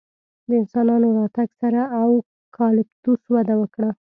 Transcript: د انسانانو راتګ سره اوکالیپتوس وده وکړه.